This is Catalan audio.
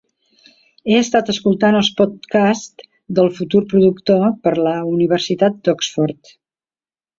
He estat escoltant els podcasts del futur productor per la Universitat d'Oxford.